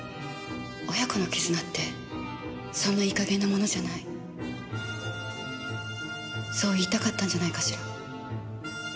親子の絆ってそんないい加減なものじゃないそう言いたかったんじゃないかしら。